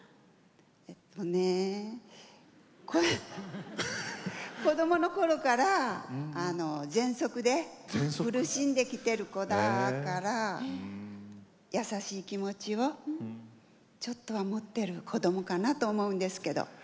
えっとね、子供のころからぜんそくで苦しんできてる子だから優しい気持ちをちょっとは持ってる子供かなと思うんですけど。